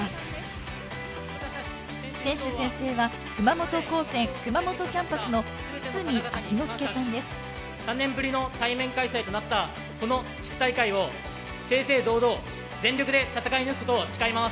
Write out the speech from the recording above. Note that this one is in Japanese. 選手宣誓は３年ぶりの対面開催となったこの地区大会を正々堂々全力で戦い抜くことを誓います。